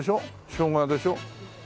しょうがでしょ。